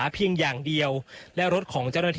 อันนี้คือเต็มร้อยเปอร์เซ็นต์แล้วนะครับ